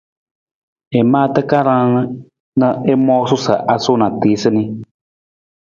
I maa takarang na i moosu sa a suu na a tiisa nii.